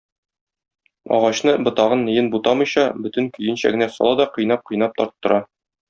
Агачны ботагын-ниен бутамыйча, бөтен көенчә генә сала да кыйнап-кыйнап тарттыра.